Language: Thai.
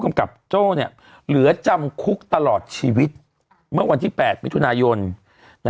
กับโจ้เหลือจำคุกตลอดชีวิตเมื่อวันที่๘มิถุนายน